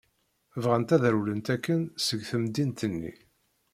Bɣant ad rewlent akken seg temdint-nni.